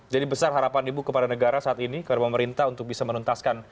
jadi besar harapan ibu kepada negara saat ini kepada pemerintah untuk bisa menuntaskan